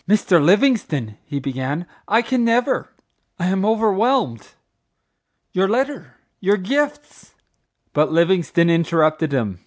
"Mr. Livingstone," he began, "I can never—I am overwhelmed!—Your letter—your gifts—" But Livingstone interrupted him.